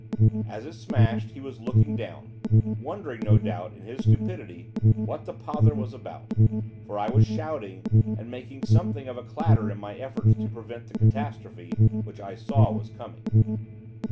As it smashed, he was looking down, wondering, no doubt, in his stupidity, what the pother was about, for I was shouting, and making something of a clatter in my efforts to prevent the catastrophe which I saw was coming.